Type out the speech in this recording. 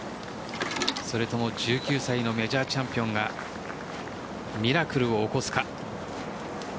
それとも１９歳のメジャーチャンピオンがミラクルを起こすか。